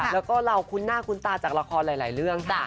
แล้วก็เราคุ้นหน้าคุ้นตาจากละครหลายเรื่องจ้ะ